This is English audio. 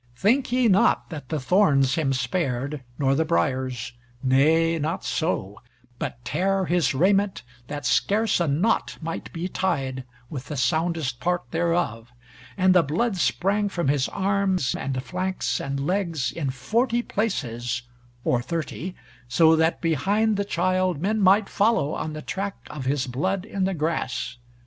Think ye not that the thorns him spared, nor the briars, nay, not so, but tare his raiment, that scarce a knot might be tied with the soundest part thereof, and the blood sprang from his arms, and flanks, and legs, in forty places, or thirty, so that behind the Childe men might follow on the track of his blood in the grass.